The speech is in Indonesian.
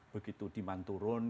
begitu demand turun